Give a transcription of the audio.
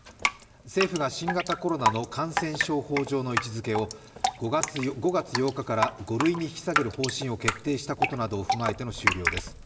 政府が新型コロナの感染症法上の位置づけを５類に引き下げる方針を決定したことなどを踏まえての終了です。